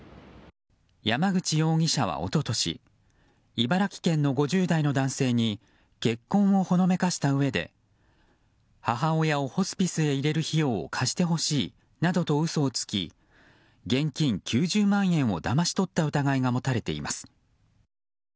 山口容疑者は一昨年茨城県の５０代の男性に結婚をほのめかしたうえで母親をホスピスへ入れる費用を貸してほしいなどと嘘をつき現金９０万円をだまし取った疑いが持たれています。